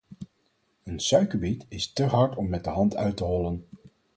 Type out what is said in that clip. Een suikerbiet is te hard om met de hand uit te hollen.